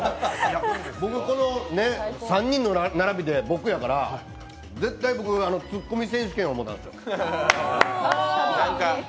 僕、この３人の並びで僕やから、絶対ツッコミ選手権やと思ったんです。